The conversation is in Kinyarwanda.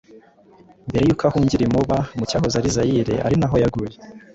mbere y’uko ahungira i Moba mu cyahoze ari Zaire, ari naho yaguye.